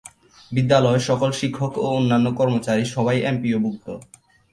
বিদ্যালয়ের সকল শিক্ষক ও অন্যান্য কর্মচারী সবাই এমপিও ভুক্ত।